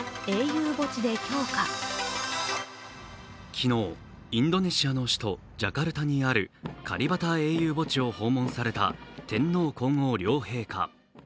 昨日、インドネシアの首都ジャカルタにあるカリバタ英雄墓地を訪問された天皇皇后両陛下。